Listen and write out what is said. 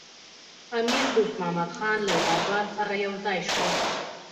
د امیر دوست محمدخان له دربار سره یو ځای شو.